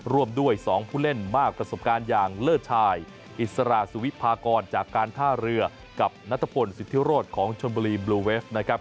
ร่วมด้วย๒ผู้เล่นมากประสบการณ์อย่างเลิศชายอิสระสุวิพากรจากการท่าเรือกับนัทพลสิทธิโรธของชนบุรีบลูเวฟนะครับ